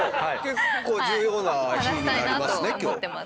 結構重要な日になりますね今日。